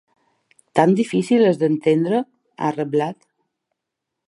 Tan difícil és d’entendre?, ha reblat.